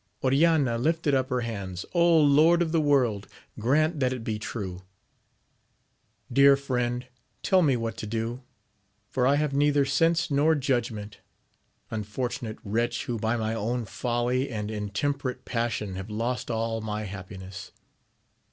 Oriana lifted up her hands, Lord of the world, grant that it be true 1 Dear friend, tell me what to do, for I have neither sense nor judgment : unfortunate wretch, who by my own folly and intem perate passion have lost aU my happiness